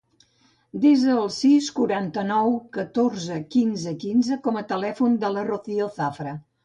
Desa el sis, quaranta-nou, catorze, quinze, quinze com a telèfon de la Rocío Zafra.